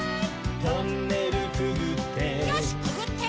「トンネルくぐって」